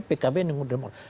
pkb nunggu demokrat